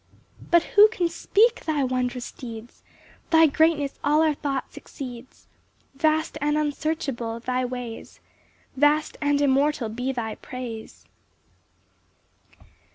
6 But who can speak thy wondrous deeds? Thy greatness all our thoughts exceeds! Vast and unsearchable thy ways! Vast and immortal be thy praise!